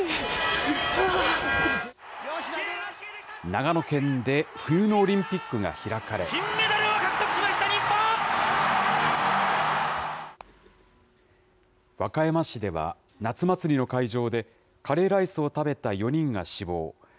長野県で冬のオリンピックが金メダルを獲得しました、日和歌山市では、夏祭りの会場で、カレーライスを食べた４人が死亡。